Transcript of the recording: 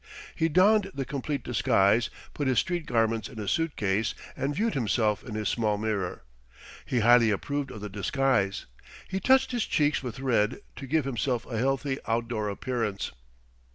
He donned the complete disguise, put his street garments in a suitcase and viewed himself in his small mirror. He highly approved of the disguise. He touched his cheeks with red to give himself a healthy, outdoor appearance.